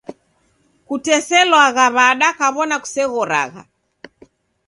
Kuteselwagha w'ada kaw'ona kuseghoragha?